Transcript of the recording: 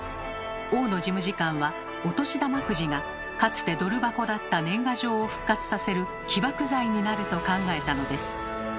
大野事務次官はお年玉くじがかつてドル箱だった年賀状を復活させる起爆剤になると考えたのです。